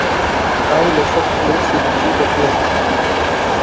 ئاو لە سەد پلەی سیلیزی دەکوڵێت.